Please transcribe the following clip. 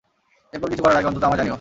এরপর কিছু করার আগে অন্তত আমায় জানিও!